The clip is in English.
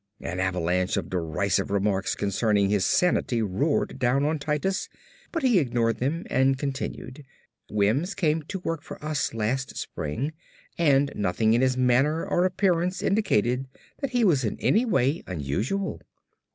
An avalanche of derisive remarks concerning his sanity roared down on Titus but he ignored them and continued. "Wims came to work for us last spring and nothing in his manner or appearance indicated that he was in any way unusual.